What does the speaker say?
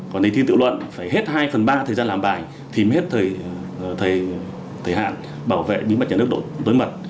còn đề thi tự luận phải hết hai phần ba thời gian làm bài thì mới hết thời hạn bảo vệ bí mật nhà nước độ tối mật